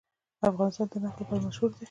افغانستان د نفت لپاره مشهور دی.